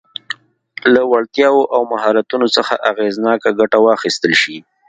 له وړتیاوو او مهارتونو څخه اغېزناکه ګټه واخیستل شي.